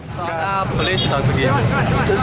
sekarang polis sudah begitu